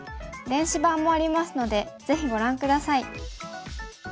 電子版もありますのでぜひご覧下さい。